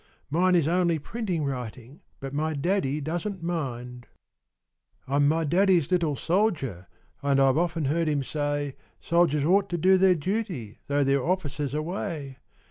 Mine is only printing writing, But my daddy doesn't mind. I'm my daddy's little soldier, An I've often heard him say, Soldiers ought to do their duty Though their officer's away.